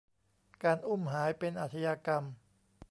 การอุ้มหายเป็นอาชญากรรม